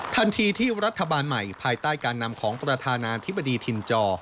ทันทีที่รัฐบาลใหม่ภายใต้การนำของประธานาธิบดีถิ่นจอ